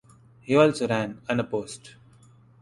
He also ran unopposed.